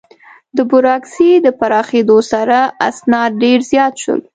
د بروکراسي د پراخېدو سره، اسناد ډېر زیات شول.